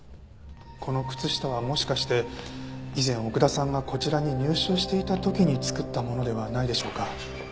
この靴下はもしかして以前奥田さんがこちらに入所していた時に作ったものではないでしょうか？